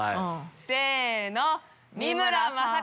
せの！